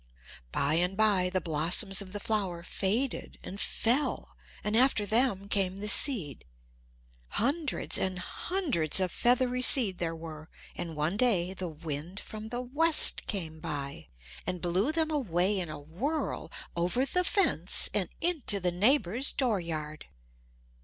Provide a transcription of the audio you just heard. By and by the blossoms of the flower faded and fell and after them came the seed. Hundreds and hundreds of feathery seed there were, and one day the wind from the west came by, and blew them away in a whirl over the fence and into the neighbor's dooryard.